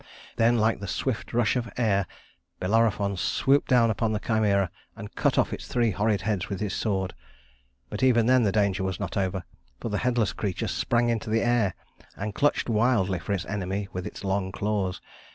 Then like the swift rush of air, Bellerophon swooped down upon the Chimæra and cut off its three horrid heads with his sword; but even then the danger was not over, for the headless creature sprang into the air, and clutched wildly for its enemy with its long claws.